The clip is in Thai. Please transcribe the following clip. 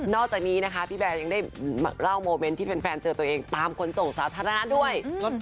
นอกจากนี้นะคะพี่แบร์รี่คุณผู้ชมนาเดชน์ยังได้เล่าโมเมนต์ที่แฟนเจอตัวเองตามคนส่งสาธารณะด้วย